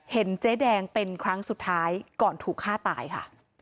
เจ๊แดงเป็นครั้งสุดท้ายก่อนถูกฆ่าตายค่ะ